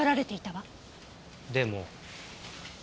でも。